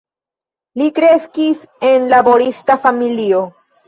Li kreskis en laborista familio.